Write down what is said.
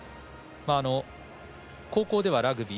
高校ではラグビー。